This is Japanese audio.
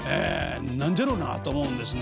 何じゃろなと思うんですがね。